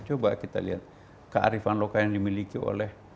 coba kita lihat kearifan lokal yang dimiliki oleh